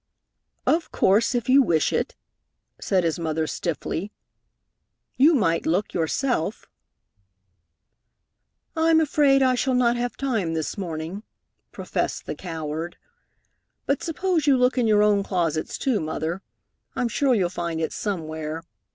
"Of course, if you wish it," said his mother stiffly. "You might look, yourself." "I'm afraid I shall not have time this morning," professed the coward. "But suppose you look in your own closets, too, Mother. I'm sure you'll find it somewhere.